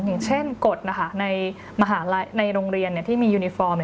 อย่างเช่นกฎในโรงเรียนที่มียูนิฟอร์ม